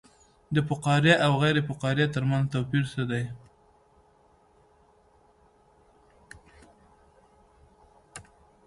د فقاریه او غیر فقاریه ترمنځ توپیر څه دی